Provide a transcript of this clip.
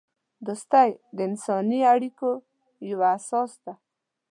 دوستی د انسانی اړیکو یوه اساس ده.